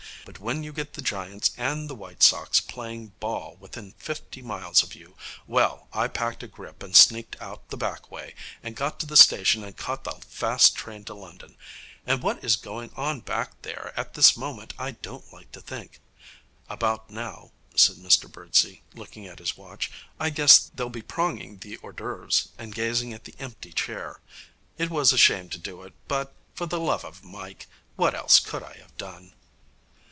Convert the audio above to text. But when you get the Giants and the White Sox playing ball within fifty miles of you Well, I packed a grip and sneaked out the back way, and got to the station and caught the fast train to London. And what is going on back there at this moment I don't like to think. About now,' said Mr Birdsey, looking at his watch, 'I guess they'll be pronging the hors d'oeuvres and gazing at the empty chair. It was a shame to do it, but, for the love of Mike, what else could I have done?'